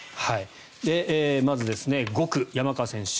まず５区、山川選手。